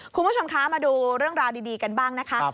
คุณผู้ชมคะมาดูเรื่องราวดีกันบ้างนะคะ